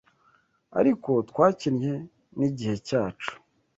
ariko Twakinnye nigihe cyacu;